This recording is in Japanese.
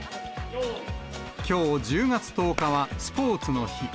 きょう１０月１０日はスポーツの日。